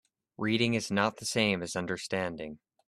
Reading is not the same as understanding.